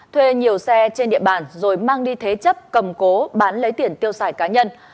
thuê nhiều xe trên địa bàn rồi mang đi thế chấp cầm cố bán lấy tiền tiêu xài cá nhân